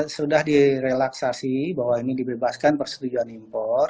sudah direlaksasi bahwa ini dibebaskan persetujuan impor